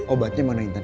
obatnya mana intan